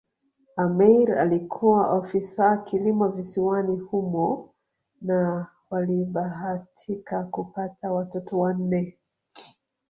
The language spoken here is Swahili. Ameir alikuwa ofisa kilimo visiwani humo na walibahatika kupata watoto wanne